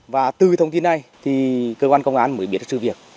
và từ thông tin này thì cơ quan công an mới biết được sự việc